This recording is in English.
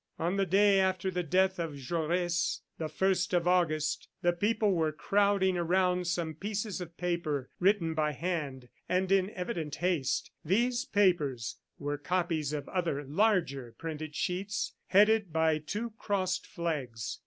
On the day after the death of Jaures, the first of August, the people were crowding around some pieces of paper, written by hand and in evident haste. These papers were copies of other larger printed sheets, headed by two crossed flags.